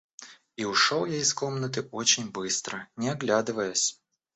И ушел я из комнаты очень быстро, не оглядываясь.